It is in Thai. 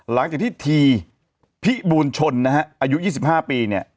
หลังจากที่ทีพี่บูนชนนะฮะอายุยี่สิบห้าปีเนี่ย